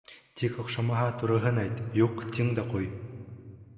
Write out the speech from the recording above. Тик оҡшамаһа, тураһын әйт, юҡ, тиң дә ҡуй.